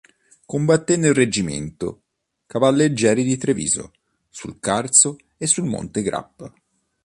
Combatté nel reggimento "Cavalleggeri di Treviso" sul Carso e sul Monte Grappa.